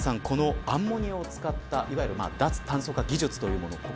このアンモニアを使ったいわゆる脱炭素化技術というもの